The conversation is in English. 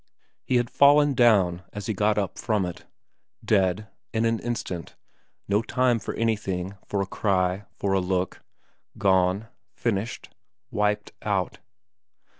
He had fallen down as he got up from it. Dead. In an instant. No time for anything, for a cry, for a look. Gone. Finished. Wiped out.